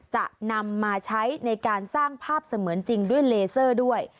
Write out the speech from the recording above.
จะนำมาใช้ในการสร้างภาพเสมือนจริงด้วยเลเซอร์ด้วย